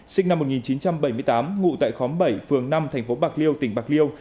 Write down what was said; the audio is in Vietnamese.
sinh năm một nghìn chín trăm bảy mươi tám ngụ tại khóm bảy phường năm thành phố bạc liêu tỉnh bạc liêu